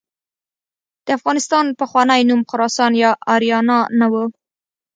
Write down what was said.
د افغانستان پخوانی نوم خراسان یا آریانا نه و.